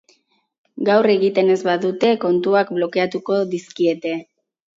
Gaur egiten ez badute, kontuak blokeatuko dizkiete.